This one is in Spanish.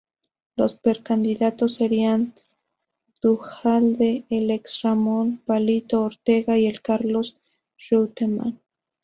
Los precandidatos serían Duhalde, el ex Ramón "Palito" Ortega, y el Carlos Reutemann.